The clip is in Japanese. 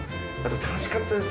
楽しかったです